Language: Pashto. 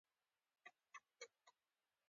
پرمختلليو هېوادونو انفرادي ښاريان بشري سرمايه راوړي.